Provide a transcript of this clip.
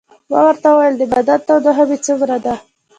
ما ورته وویل: د بدن تودوخه مې څومره ده؟